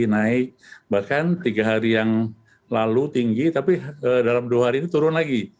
naik bahkan tiga hari yang lalu tinggi tapi dalam dua hari ini turun lagi